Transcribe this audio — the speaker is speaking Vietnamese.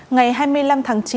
ngày hai mươi năm tháng chín